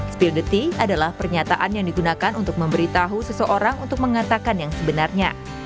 spill the tea adalah pernyataan yang digunakan untuk memberi tahu seseorang untuk mengatakan yang sebenarnya